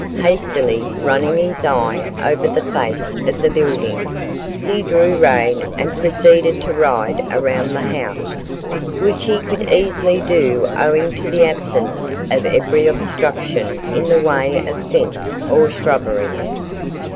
Hastily running his eye over the face of the building, he drew rein and proceeded to ride around the house, which he could easily do owing to the absence of every obstruction in the way of fence or shrubbery.